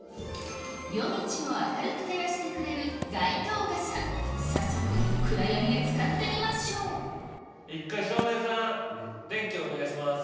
夜道を明るく照らしてくれる街灯傘早速暗闇で使ってみましょう一回照明さん電気お願いします